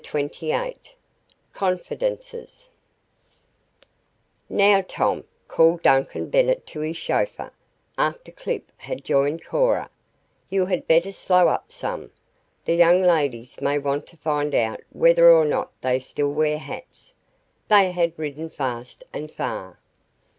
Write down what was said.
CHAPTER XXVIII CONFIDENCES "Now, Tom," called Duncan Bennet to his chauffeur, after Clip had joined Cora, "you had better slow up some. The young ladies may want to find out whether or not they still wear hats." They had ridden fast and far.